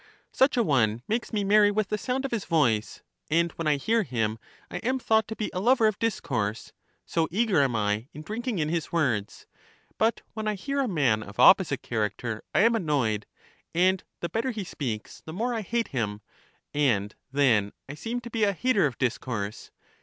Such a one makes me merry with the sound of his voice; and when I hear him I am thought to be a lover of discourse; so eager am I in drinking in his words. But when I hear a man of opposite character, I am annoyed; and the better he speaks the more I hate him, and then I seem to be a hater of discourse.